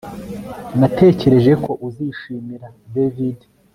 Natekereje ko uzishimira David